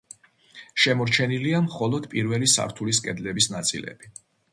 შემორჩენილია მხოლოდ პირველი სართულის კედლების ნაწილები.